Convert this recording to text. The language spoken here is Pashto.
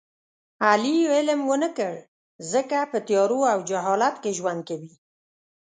علي علم و نه کړ ځکه په تیارو او جهالت کې ژوند کوي.